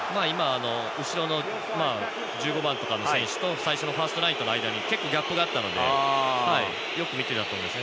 後ろの１５番などの選手とファーストラインとの間に結構ギャップがあったのでよく見ていたと思います。